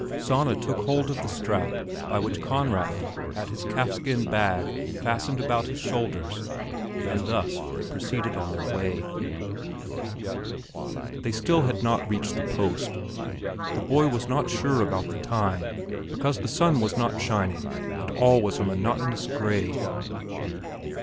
Sanna took hold of the strap by which Conrad had his calfskin bag fastened about his shoulders and thus they proceeded on their way. They still had not reached the post. The boy was not sure about the time, because the sun was not shining and all was a monotonous gray.